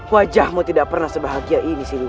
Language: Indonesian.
wajahmu tidak pernah sebahagia ini sih